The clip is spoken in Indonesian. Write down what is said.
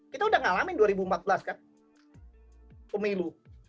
kita udah ngalamin dua ribu empat belas kan pemilu